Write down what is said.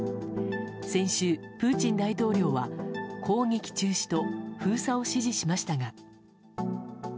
先週、プーチン大統領は攻撃中止と封鎖を指示しましたが。